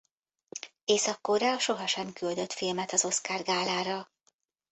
Észak-Korea sohasem küldött filmet az Oscar-gálára.